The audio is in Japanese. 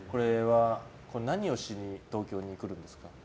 何をしに東京に来るんですか？